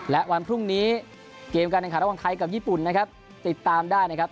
และวันพรุ่งนี้เกมการแข่งขันระหว่างไทยกับญี่ปุ่นนะครับติดตามได้นะครับ